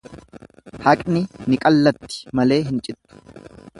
Haqni ni qallatti malee hin cittu.